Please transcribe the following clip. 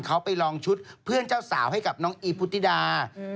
เขาไปลองชุดเพื่อนเจ้าสาวให้กับน้องอีพุทธิดา